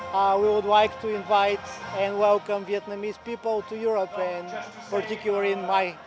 sau mỗi câu chuyện mỗi góc nhìn của những chuyên gia những vị khách châu âu trên đất việt về hà nội